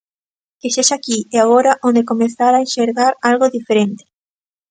Que sexa aquí e agora onde comezar a enxergar algo diferente.